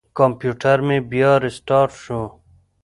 کمپیوټر مې بیا ریستارټ شو.